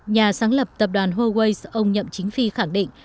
nhà sáng lập tập đoàn huawei ông nhậm chính phi khẳng định